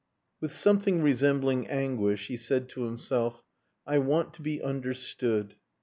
With something resembling anguish he said to himself "I want to be understood."